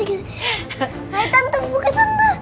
tantan buka tantan